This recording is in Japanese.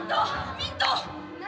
ミント！何？